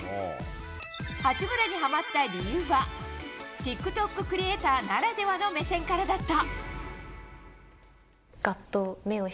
八村にハマった理由はＴｉｋＴｏｋクリエーターならではの目線からだった。